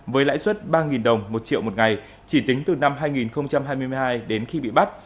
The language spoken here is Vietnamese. với lãi suất ba đồng một triệu một ngày chỉ tính từ năm hai nghìn hai mươi hai đến khi bị bắt